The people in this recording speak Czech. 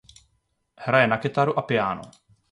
Hraje na kytaru a piáno.